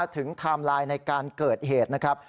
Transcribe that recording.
ไทม์ไลน์ในการเกิดเหตุนะครับ